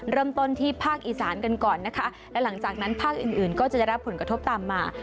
เริ่มต้นที่ภาคอีสานกันก่อนนะคะและหลังจากนั้นภาคอื่นอื่นก็จะได้รับผลกระทบตามมา